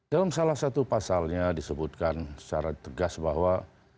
dalam salah satu pasalnya disebutkan secara tegas bahwa